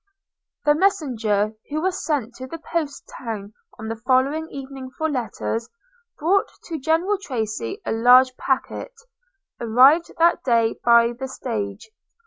The messenger, who was sent to the post town on the following evening for letters, brought to General Tracy a large pacquet, arrived that day by the stage.